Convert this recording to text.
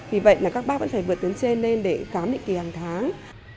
vì vậy là các bác vẫn phải vượt tuyến trên lên để khám định kỳ hàng tháng